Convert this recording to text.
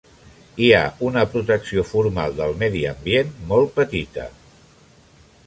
Hi ha una protecció formal del medi ambient molt petita.